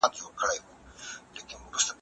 اوسپنه د وینې لپاره مهم عنصر دی.